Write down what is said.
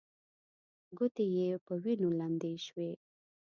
ګوتې يې په وينو لندې شوې.